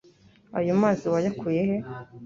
Ayo mazi wayakuye he?